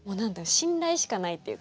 信頼しかないっていうか。